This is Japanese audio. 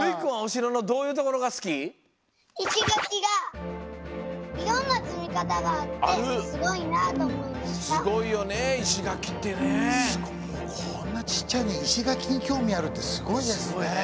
しかもこんなちっちゃいのに石垣にきょうみあるってすごいですね。